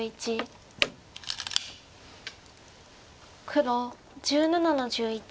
黒１７の十一。